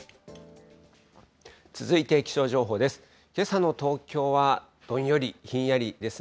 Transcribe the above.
続いて気象情報です。